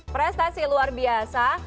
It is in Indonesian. prestasi luar biasa